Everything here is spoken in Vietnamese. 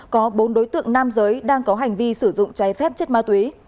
có bốn đối tượng nam giới đang có hành vi sử dụng trái phép chất ma túy